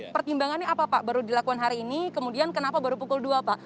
pertimbangannya apa pak baru dilakukan hari ini kemudian kenapa baru pukul dua pak